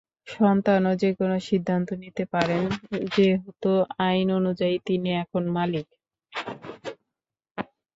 সন্তানও যেকোনো সিদ্ধান্ত নিতে পারেন, যেহেতু আইন অনুযায়ী তিনি এখন মালিক।